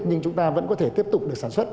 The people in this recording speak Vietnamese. nhưng chúng ta vẫn có thể tiếp tục được sản xuất